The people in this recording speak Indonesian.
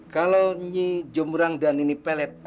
kalau nyi jomorang dan nini pelet